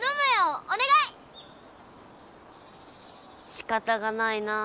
しかたがないなぁ。